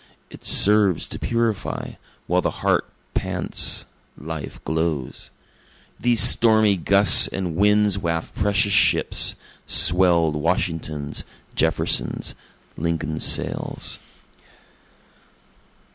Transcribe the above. it serves to purify while the heart pants, life glows: These stormy gusts and winds waft precious ships, Swell'd Washington's, Jefferson's, Lincoln's sails.